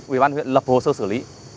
ubnd huyện lập hồ sơ xử lý